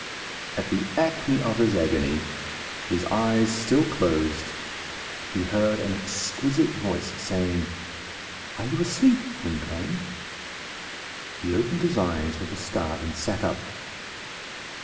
At the acme of his agony, his eyes still closed, he heard an exquisite voice saying, "Are you asleep, Gwynplaine?" He opened his eyes with a start, and sat up.